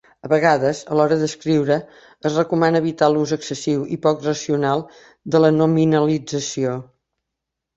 A vegades, a l'hora d'escriure es recomana evitar l'ús excessiu i poc racional de la nominalització.